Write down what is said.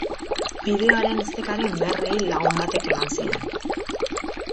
Bideoaren estekaren berri lagun batek eman zidan.